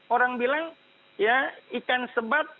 orang bilang ya ikan sebat